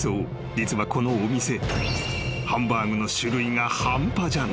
実はこのお店］